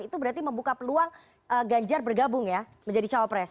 itu berarti membuka peluang ganjar bergabung ya menjadi cawapres